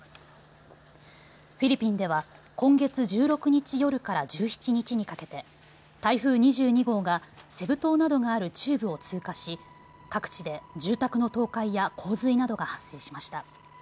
フィリピンでは今月１６日夜から１７日にかけて台風２２号がセブ島などがある中部を通過し各地で住宅の倒壊や洪水などが発生しました。